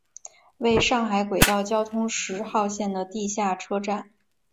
为上海轨道交通十号线的地下车站。